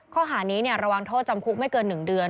ข้อหานี้ระวังโทษจำคุกไม่เกิน๑เดือน